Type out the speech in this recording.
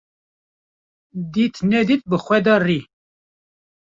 Dît nedît bi xwe de rî